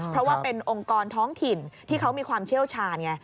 เพราะว่าเป็นองค์กรท้องถิ่นที่เขามีความเชี่ยวชาญไง